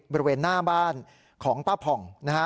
บริเวณหน้าบ้านของป้าผ่องนะฮะ